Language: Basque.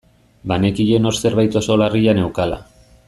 Banekien hor zerbait oso larria neukala.